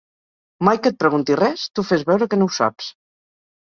Mai que et pregunti res, tu fes veure que no ho saps.